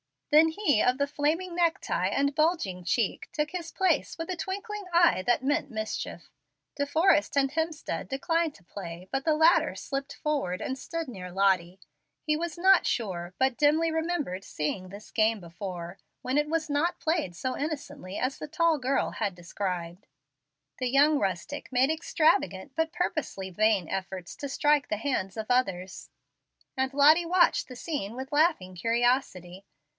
Then he of the flaming neck tie and bulging cheek took his place with a twinkling eye that meant mischief. De Forrest and Hemstead declined to play, but the latter slipped forward and stood near Lottie. He was not sure, but dimly remembered seeing this game before, when it was not played so innocently as the tall girl had described. The young rustic made extravagant but purposely vain efforts to strike the hands of others, and Lottie watched the scene with laughing curiosity.